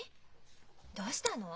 どうしたの？